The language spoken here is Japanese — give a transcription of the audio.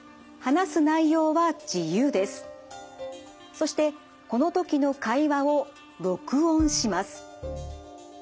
そしてこの時の会話を録音します。